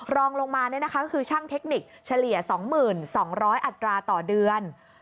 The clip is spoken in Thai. รองลงมาก็คือช่างเทคนิคเฉลี่ย๒๒๐๐อัตราต่อเดือน